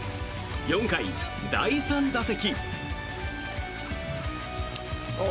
４回第３打席。